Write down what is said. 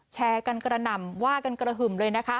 แชร์กันกระหน่ำว่ากันกระหึ่มเลยนะคะ